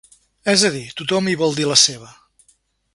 És a dir: tothom hi vol dir la seva.